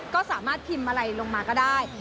ก็สามารถพิมพ์อะไรลงมาก็ได้